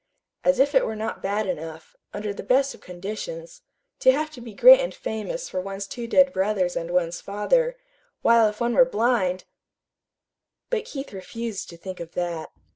As if it were not bad enough, under the best of conditions, to have to be great and famous for one's two dead brothers and one's father; while if one were blind But Keith refused to think of that.